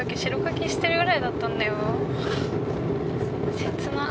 切ない。